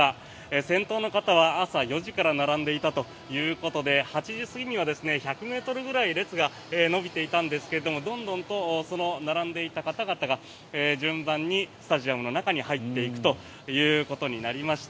先頭の方は朝４時から並んでいたということで８時過ぎには１００ｍぐらい列が延びていたんですがどんどんとその並んでいた方々が順番にスタジアムに入っていくということになりました。